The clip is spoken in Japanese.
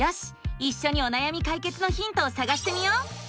いっしょにおなやみ解決のヒントをさがしてみよう！